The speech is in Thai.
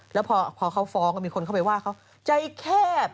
แล้วพอเขาฟ้องก็มีคนเข้าไปว่าเขาใจแคบ